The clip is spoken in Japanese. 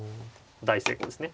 大成功ですね。